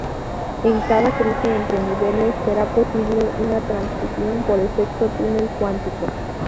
En cada cruce entre niveles, será posible una transición por efecto túnel cuántico.